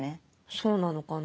そうなのかな？